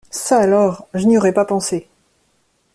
Ça alors, je n’y aurais pas pensé!